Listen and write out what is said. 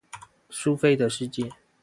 蘇菲的世界